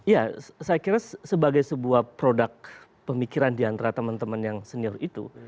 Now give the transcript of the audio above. ya saya kira sebagai sebuah produk pemikiran diantara teman teman yang senior itu